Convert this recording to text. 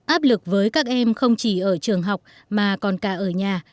áp lực với các em không chỉ ở trường học mà còn cả ở nhà